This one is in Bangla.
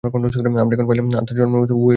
আমরা এখন পাইলাম, আত্মা জন্মমৃত্যু উভয়েরই অতীত।